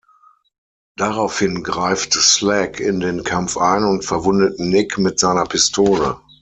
Daraufhin greift Slag in den Kampf ein und verwundet Nick mit seiner Pistole.